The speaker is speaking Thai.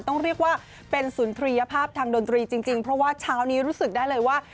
ต้องเรียกว่าเป็นสุนทรียภาพทางดนตรีจริงเพราะว่าเช้านี้รู้สึกได้เลยว่า